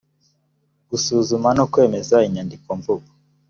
gusuzuma no kwemeza inyandikomvugo